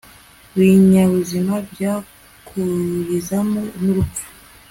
binyabuzima byakurizamo n'urupfu